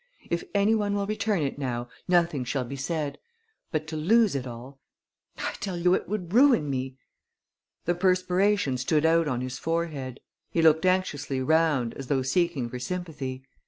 If any one will return it now nothing shall be said. But to lose it all I tell you it would ruin me!" The perspiration stood out on his forehead. He looked anxiously round, as though seeking for sympathy.